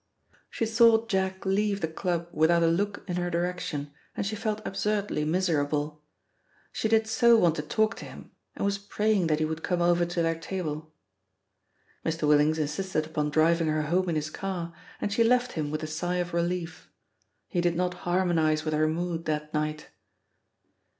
She saw Jack leave the club without a look in her direction, and she felt absurdly miserable. She did so want to talk to him and was praying that he would come over to their table. Mr. Willings insisted upon driving her home in his car, and she left him with a sigh of relief. He did not harmonise with her mood that night.